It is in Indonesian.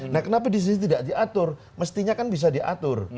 nah kenapa di sini tidak diatur mestinya kan bisa diatur